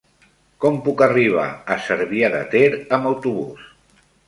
Com puc arribar a Cervià de Ter amb autobús?